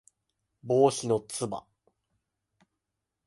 帽子のつば